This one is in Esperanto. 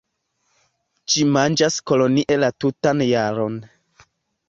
Ĝi manĝas kolonie la tutan jaron.